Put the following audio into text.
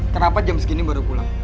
kenapa jam segini baru pulang